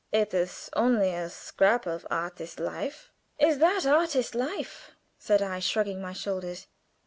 "It is only a scrap of artist life." "Is that artist life?" said I, shrugging my shoulders.